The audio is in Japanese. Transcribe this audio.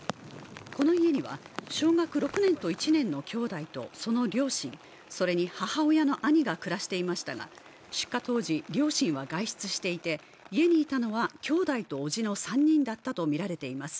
この家には、小学６年と１年の兄弟とその両親それに母親の兄が暮らしていましたが、出火当時、両親は外出していて家にいたのは兄弟と伯父の３人だったとみられています。